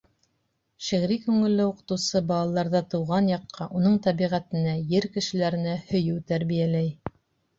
Шиғри күңелле уҡытыусы балаларҙа тыуған яҡҡа, уның тәбиғәтенә, ер кешеләренә һөйөү тәрбиәләй.